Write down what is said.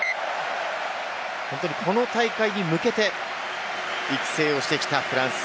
この大会に向けて育成をしてきたフランス。